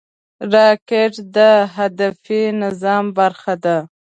راکټ د هدفي نظام برخه ده